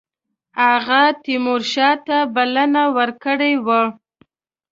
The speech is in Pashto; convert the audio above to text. هغه تیمورشاه ته بلنه ورکړې وه.